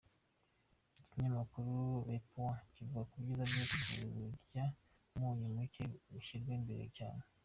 Ikinyamakuru le Point kivuga ko ibyiza byo kurya umunyu muke bishyirwa imbere cyane.